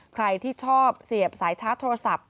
ใครที่ชอบเสียบสายชาร์จโทรศัพท์